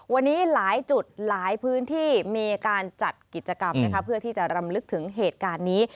วันนี้หลายจุดหลายพื้นที่มีการจัดกิจกรรมนะคะเพื่อที่จะรำลึกถึงเหตุการณ์นี้